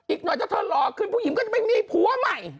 อีกหน่อยถ้าเธอหล่อขึ้นผู้หญิงก็จะไม่มีผัวใหม่